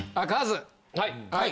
はい！